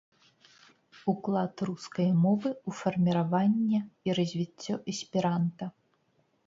Уклад рускай мовы ў фарміраванне і развіццё эсперанта.